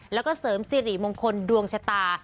แล้วก็เสริมสิริมงคลดวงชะตา